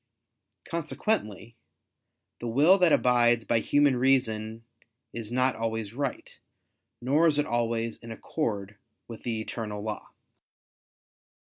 Consequently the will that abides by human reason, is not always right, nor is it always in accord with the eternal law.